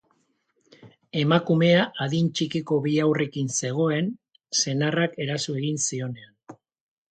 Emakumea adin txikiko bi haurrekin zegoen senarrak eraso egin zionean.